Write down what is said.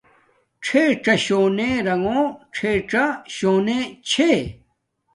ڞݵڅݳ شݸنݺ رݣݸ ڞݵڅݳ شݸنݺ چھݺ.